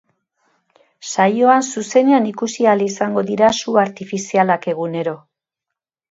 Saioan zuzenean ikusi ahal izango dira su artifizialak egunero.